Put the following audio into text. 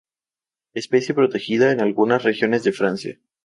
Especie protegida en algunas regiones de Francia.